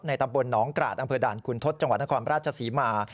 ตำบลหนองกราศอำเภอด่านคุณทศจังหวัดนครราชศรีมา